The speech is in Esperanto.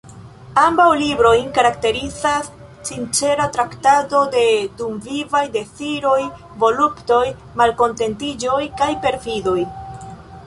Ambaŭ librojn karakterizas "sincera traktado de dumvivaj deziroj, voluptoj, malkontentiĝoj kaj perfidoj.